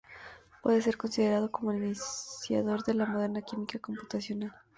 Puede ser considerado como el iniciador de la moderna química computacional.